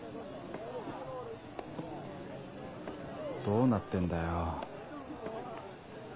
・どうなってんだよ。